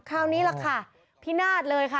คราวนี้ล่ะค่ะพินาศเลยค่ะ